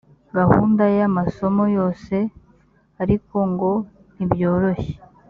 gahunda y amasomo yose ariko ngo ntibyoroshye